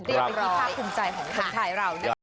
เรียบร้อยเป็นพิพากษ์คุมใจของคุมชายเรา